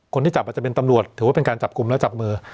คนที่จับอาจจะเป็นตำรวจถือว่าเป็นการจับกลุ่มและจับมือ